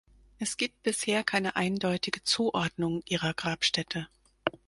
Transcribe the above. Es gibt bisher keine eindeutige Zuordnung ihrer Grabstätte.